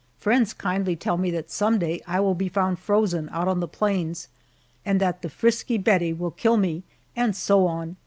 Friends kindly tell me that some day I will be found frozen out on the plains, and that the frisky Bettie will kill me, and so on.